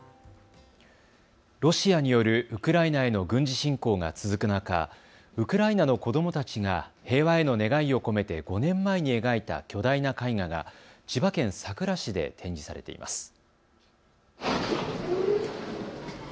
ロシアによるウクライナへの軍事侵攻が続く中、ウクライナの子どもたちが平和への願いを込めて５年前に描いた巨大な絵画が千葉県佐倉市で展示されています。